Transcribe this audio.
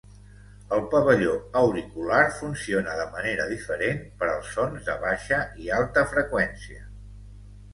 El pavelló auricular funciona de manera diferent per als sons de baixa i alta freqüència.